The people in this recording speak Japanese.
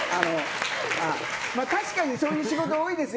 確かにそういう仕事多いですよ。